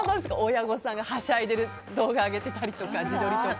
親御さんがはしゃいでいる動画上げてたり自撮りとか。